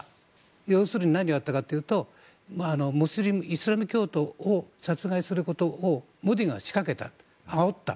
要するに何をやったかというとイスラム教徒を殺害することをモディが仕掛けた、あおった。